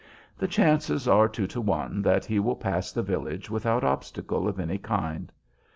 The chances are two to one that he will pass the village without obstacle of any kind.